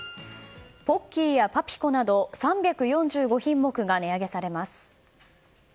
ポッキーやパピコなど３４５品目が値上げされます。